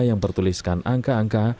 yang bertuliskan angka angka